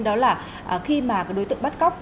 đó là khi mà đối tượng bắt cóc